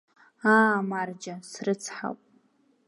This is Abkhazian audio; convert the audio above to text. Аа амарџьа, срыцҳауп.